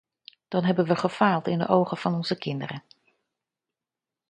Dan hebben we gefaald in de ogen van onze kinderen.